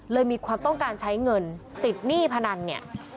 มีความต้องการใช้เงินติดหนี้พนันเนี่ย